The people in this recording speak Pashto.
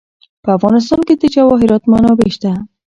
په افغانستان کې د جواهرات منابع شته.